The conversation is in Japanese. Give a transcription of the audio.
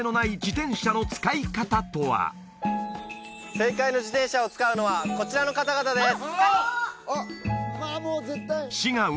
正解の自転車を使うのはこちらの方々です